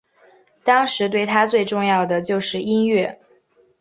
当时对他最重要的就是音乐。